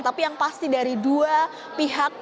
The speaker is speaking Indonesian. tapi yang pasti dari dua pihak